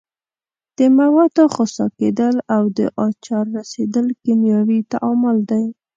د موادو خسا کیدل او د آچار رسیدل کیمیاوي تعامل دي.